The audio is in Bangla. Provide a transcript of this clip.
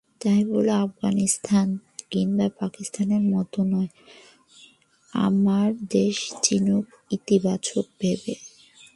তাই বলে আফগানিস্তান কিংবা পাকিস্তানের মতো নয়, আমার দেশকে চিনুক ইতিবাচক ভাবে।